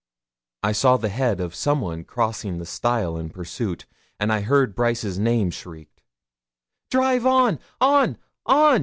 I saw the head of some one crossing the stile in pursuit, and I heard Brice's name shrieked. 'Drive on on on!'